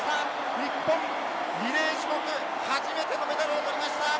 日本リレー種目初めてのメダルを取りました。